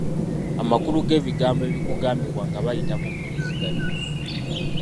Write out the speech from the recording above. Amakulu g'ebigambo ebikugambibwa nga bayita mu mpulizigznya.